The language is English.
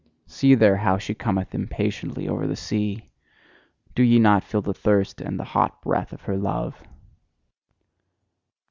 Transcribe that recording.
See there, how she cometh impatiently over the sea! Do ye not feel the thirst and the hot breath of her love?